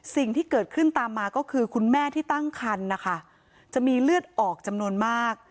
สิ่งที่เกิดขึ้นตามมาก็คือคุณแม่ที่ตั้งคันนะคะจะมีเลือดออกจำนวนมาก